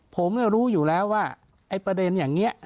ผมรู้อยู่แล้วว่าไอ้ประเด็นอย่างนี้